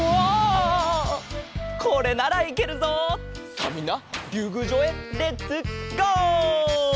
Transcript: さあみんなりゅうぐうじょうへレッツゴー！